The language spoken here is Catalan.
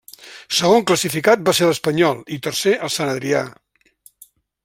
Segon classificat va ser l'Espanyol i tercer el Sant Adrià.